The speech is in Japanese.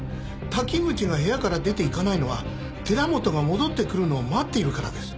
滝口が部屋から出ていかないのは寺本が戻ってくるのを待っているからです。